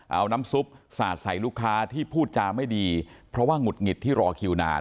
เอาน้ำซุปสาดใส่ลูกค้าที่พูดจาไม่ดีเพราะว่าหงุดหงิดที่รอคิวนาน